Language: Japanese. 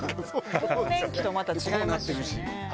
更年期とまた違いますしね。